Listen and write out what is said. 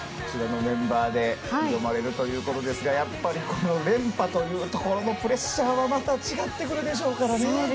こちらのメンバーで挑まれるということでやっぱり、連覇というところのプレッシャーも違ってくるでしょうからね。